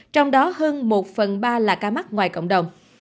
trong đó hơn một phần ba là ca mắc ngoài cộng đồng